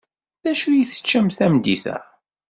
D acu ay teččamt tameddit-a?